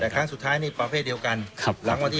คุณจ่ายเป็นเท่าไร